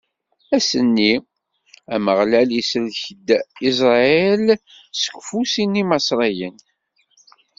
Ass-nni, Ameɣlal isellek-d Isṛayil seg ufus n Imaṣriyen.